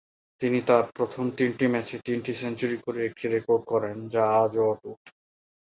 তিনি তাঁর প্রথম তিনটি ম্যাচে তিনটি সেঞ্চুরি করে একটি রেকর্ড করেন, যা আজও অটুট।